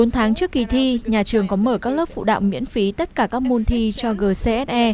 bốn tháng trước kỳ thi nhà trường có mở các lớp phụ đạo miễn phí tất cả các môn thi cho gcse